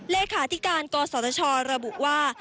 เลขาธิการกศชระบุว่า